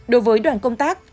đối với đoàn công tác